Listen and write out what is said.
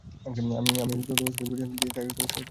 আমি রামেসিসকে প্ররোচনা দিয়েছি, তাই সমস্ত দায়ভার আমার।